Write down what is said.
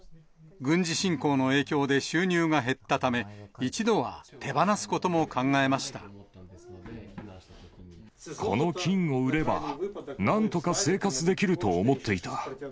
軍事侵攻の影響で、収入が減ったため、この金を売れば、なんとか生活できると思っていた。